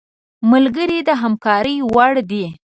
ملګری د همکارۍ وړ دی